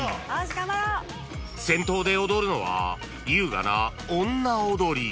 ［先頭で踊るのは優雅な］